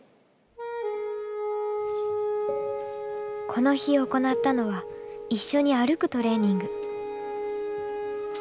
この日行ったのは一緒に歩くトレーニング。